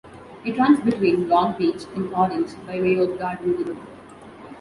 It runs between Long Beach and Orange by way of Garden Grove.